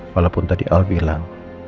walaupun tadi al bilang